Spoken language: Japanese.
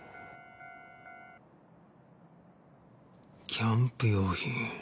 キャンプ用品。